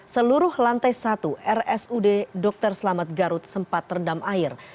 seluruh lantai satu rsud dr selamat garut sempat terendam air